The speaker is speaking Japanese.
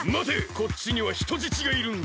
こっちにはひとじちがいるんだ。